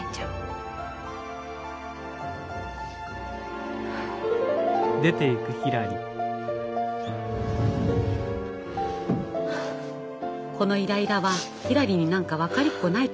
このイライラはひらりになんか分かりっこないと思いました。